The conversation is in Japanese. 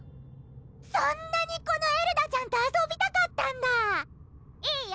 そんなにこのエルダちゃんと遊びたかったんだいいよ